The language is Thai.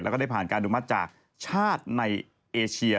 และได้ผ่านการดูมาจากชาติในเอเชีย